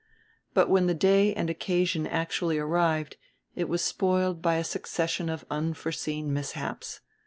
But when the day and occasion actually arrived it was spoiled by a succession of unforeseen mishaps.